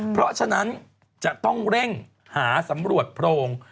เพราะฉะนั้นจะต้องเร่งหาสำรวจโพรง